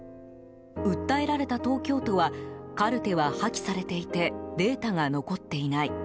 訴えられた東京都はカルテは破棄されていてデータが残っていない。